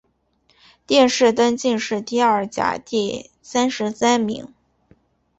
殿试登进士第二甲第三十三名。